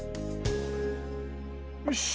よし。